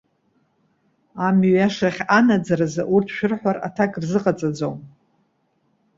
Амҩа иашахь анаӡаразы урҭ шәрыҳәар, аҭак рзыҟаҵаӡом.